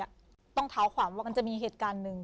ฉันรู้สึกว่าความว่านั้นจะมีเหตุการณ์หนึ่ง